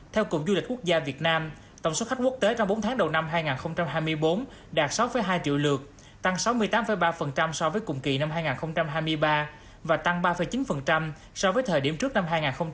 theo cục du lịch quốc gia việt nam tổng số khách quốc tế trong bốn tháng đầu năm hai nghìn hai mươi bốn đạt sáu hai triệu lượt tăng sáu mươi tám ba so với cùng kỳ năm hai nghìn hai mươi ba và tăng ba chín so với thời điểm trước năm hai nghìn hai mươi ba